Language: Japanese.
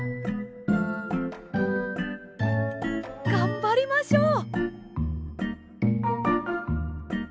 がんばりましょう。